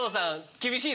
厳しい。